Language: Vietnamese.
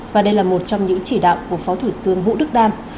và đây là một trong những chỉ đạo của phó thủ tướng vũ đức đam